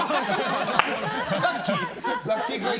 ラッキー。